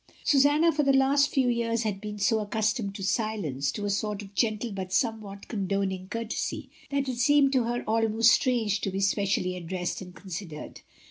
Susanna for the last few years had been so ac customed to silence, to a sort of gentle but somewhat condoning courtesy, that it seemed to her almost strange to be specially addressed and considered.